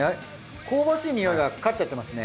香ばしいにおいが勝っちゃってますね。